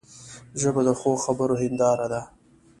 ژبه د ښو خبرو هنداره ده